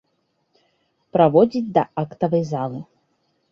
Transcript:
Праводзіць да актавай залы.